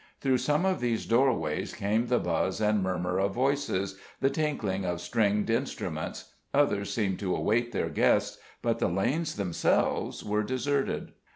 Through some of these doorways came the buzz and murmur of voices, the tinkling of stringed instrument. Others seemed to await their guests. But the lanes themselves were deserted.